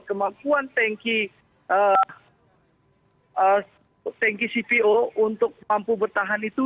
kemampuan tanki cpo untuk mampu bertahan itu